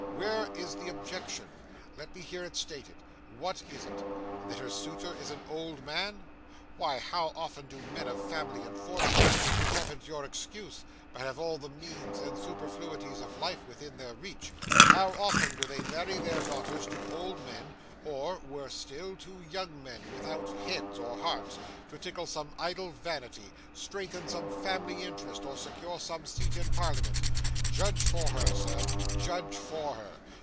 Where is the objection? Let me hear it stated. What is it? That her suitor is an old man? Why, how often do men of family and fortune, who haven't your excuse, but have all the means and superfluities of life within their reach, how often do they marry their daughters to old men, or (worse still) to young men without heads or hearts, to tickle some idle vanity, strengthen some family interest, or secure some seat in Parliament! Judge for her, sir, judge for her.